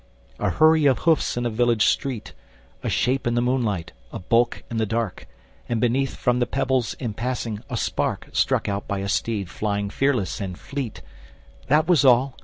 A hurry of hoofs in a village street, A shape in the moonlight, a bulk in the dark, And beneath, from the pebbles, in passing, a spark Struck out by a steed flying fearless and fleet: That was all!